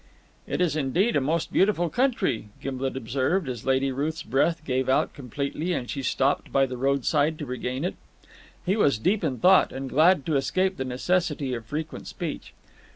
"It is indeed a most beautiful country," Gimblet observed, as Lady Ruth's breath gave out completely, and she stopped by the roadside to regain it. He was deep in thought, and glad to escape the necessity of frequent speech.